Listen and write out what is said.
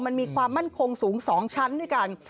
มันมีความมั่นคงสูง๒ชั้นด้วยกัน